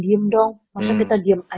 diem dong masa kita diem aja